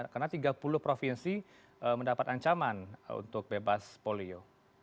karena tiga puluh provinsi mendapat ancaman untuk bebas polio